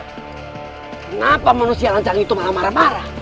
kenapa manusia lancang itu malah marah marah